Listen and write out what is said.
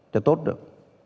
cho tốt được